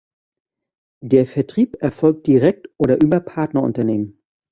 Der Vertrieb erfolgt direkt oder über Partnerunternehmen.